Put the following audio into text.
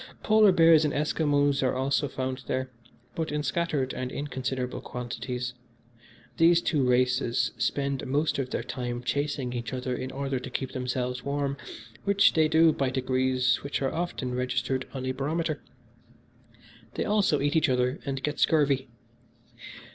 Polar bears and Esquimos are also found there, but in scattered and inconsiderable quantities. These two races spend most of their time chasing each other in order to keep themselves warm, which they do by degrees which are often registered on a barometer. They also eat each other and get scurvy.